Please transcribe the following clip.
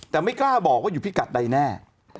แต่ไม่กล้าบอกว่าอยู่พิกัดใดแน่